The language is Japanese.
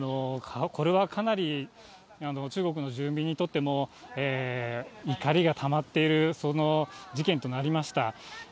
これはかなり中国の住民にとっても、怒りがたまっている事件となりました。